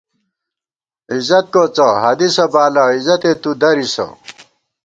عزت کوڅہ حدیثہ بالہ عزتے تُو درِسہ